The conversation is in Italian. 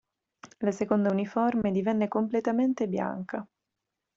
La seconda uniforme divenne completamente bianca.